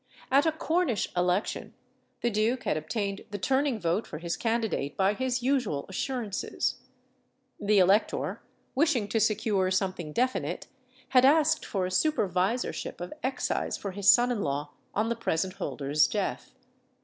At a Cornish election, the duke had obtained the turning vote for his candidate by his usual assurances. The elector, wishing to secure something definite, had asked for a supervisorship of excise for his son in law on the present holder's death.